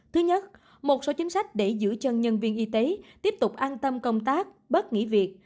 thứ nhất một số chính sách để giữ chân nhân viên y tế tiếp tục an tâm công tác bớt nghỉ việc